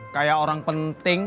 kayak orang penting